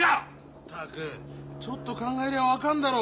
ったくちょっと考えりゃ分かんだろ。